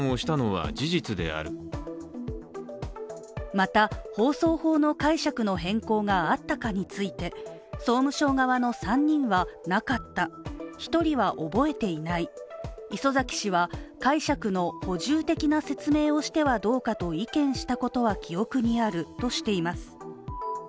また、放送法の解釈の変更があったかについて総務省側の３人はなかった、１人は覚えていない礒崎氏は解釈の補充的な説明をしてはどうかと意見したことは記憶にあるとしています。